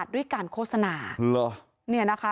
ด้วยการโฆษณา